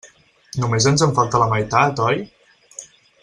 Només ens en falta la meitat, oi?